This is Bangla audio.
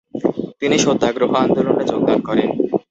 তিনি সত্যাগ্রহ আন্দোলনে যোগদান করেন।